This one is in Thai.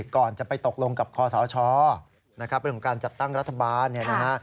ก่อนจะไปตกลงกับคอสชนะครับเรื่องของการจัดตั้งรัฐบาลเนี่ยนะฮะ